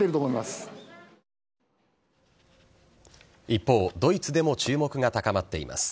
一方、ドイツでも注目が高まっています。